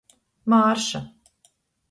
Mārša.